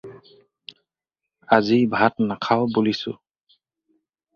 আজি ভাত নাখাওঁ বুলিছোঁ?